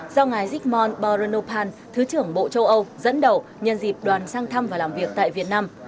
do ngài digmun baronopan thứ trưởng bộ châu âu dẫn đầu nhân dịp đoàn sang thăm và làm việc tại việt nam